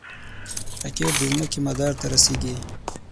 راکټ د ځمکې مدار ته رسېږي